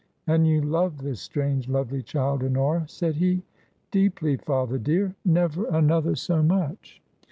*' And you loved this strange, lovely child, Honora?" said he. Deeply, father dear, never another so much."